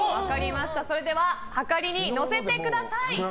それでは量りに乗せてください。